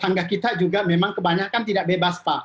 tangga kita juga memang kebanyakan tidak bebas pak